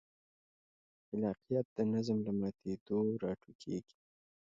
خلاقیت د نظم له ماتېدو راټوکېږي.